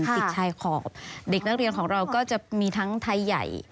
ติดชายขอบเด็กนักเรียนของเราก็จะมีทั้งไทยใหญ่